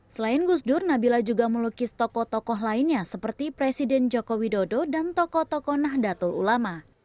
selain gusdur nabila juga melukis tokoh tokoh lainnya seperti presiden joko widodo dan tokoh tokoh nahdlatul ulama